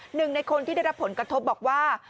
หนึ่งในคนที่ได้รับผลกระทบบอกว่า